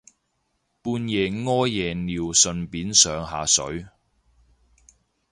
半夜屙夜尿順便上下水